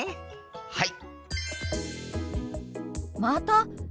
はい！